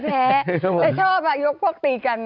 ชัยชอบลูกพวกตีกัน